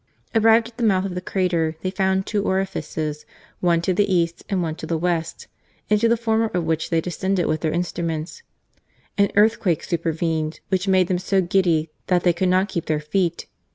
Arrived at the mouth of the crater, they found two orifices, one to the east, and one to the west, into the former of which they descended with their LIFE AS A LAWYER. 15 instruments. An earthquake supervened, which made them so giddy that they could not keep their feet.